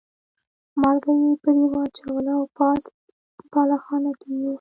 مالګه یې پرې واچوله او پاس بالاخانه کې یې.